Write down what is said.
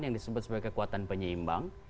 yang disebut sebagai kekuatan penyeimbang